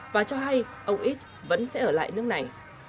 và cho hay ông id vẫn sẽ ở lại nước này